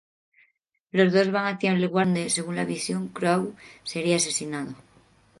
Los dos van hacia el lugar donde, según la visión, Crow sería asesinado.